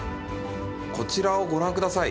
こちらをご覧ください